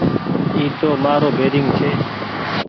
اي تو مآرو بيرينگ ڇي۔